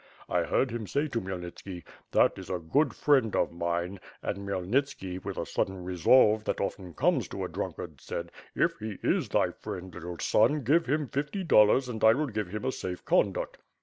1 heard him say to Khmy elnitski 'That is a good friend of mine' and Khmyelnitski, with a sudden resolve that often comes to a drunkard, said: 'If he is thy friend, little son, give him fifty dollars and 1 will give him a safe conduct.'